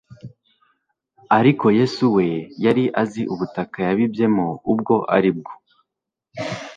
Ariko Yesu we yari azi ubutaka yabibyemo ubwo ari bwo.